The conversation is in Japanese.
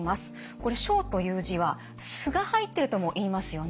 これ鬆という字は「鬆が入ってる」とも言いますよね。